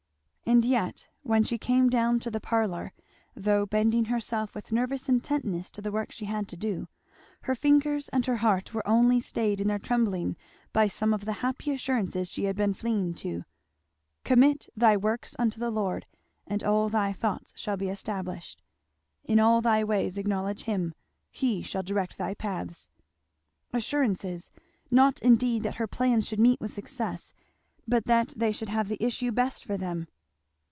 And yet when she came down to the parlour, though bending herself with nervous intentness to the work she had to do, her fingers and her heart were only stayed in their trembling by some of the happy assurances she had been fleeing to; "Commit thy works unto the Lord, and all thy thoughts shall be established." "In all thy ways acknowledge Him: He shall direct they paths." Assurances, not indeed that her plans should meet with success, but that they should have the issue best for them.